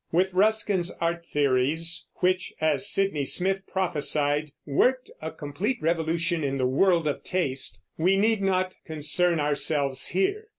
With Ruskin's art theories, which, as Sydney Smith prophesied, "worked a complete revolution in the world of taste," we need not concern ourselves here.